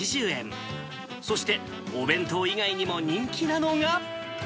そして、お弁当以外にも人気なのが。